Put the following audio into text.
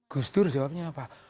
gus tur jawabnya apa